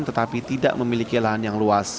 tetapi tidak memiliki lahan yang luas